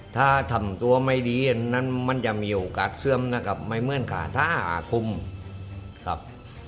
ถ้าทำตัวไม่ดีอันนั้นมันจะมีโอกาสเสื่อมนะครับไม่เหมือนขาถ้าคุมครับ